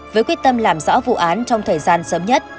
với quyết tâm làm rõ vụ án trong thời gian sớm nhất